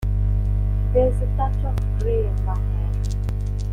There’s a touch of grey in my hair.